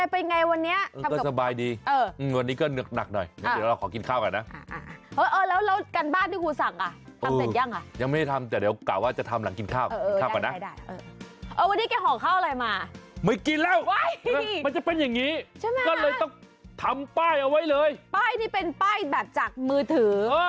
ป้ายนี่เป็นป้ายจากมือถือ